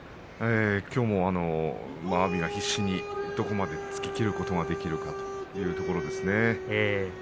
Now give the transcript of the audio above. きょうも阿炎が必死にどこまで突ききることができるかということでしょうね。